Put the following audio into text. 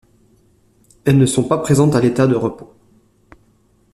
Elles ne sont pas présentes à l’état de repos.